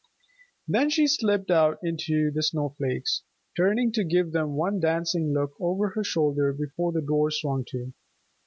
Then she slipped out into the snow flakes, turning to give them one dancing look over her shoulder before the door swung to.